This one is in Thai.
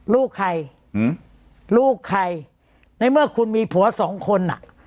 ลูกใครอืมลูกใครในเมื่อคุณมีผัวสองคนอ่ะ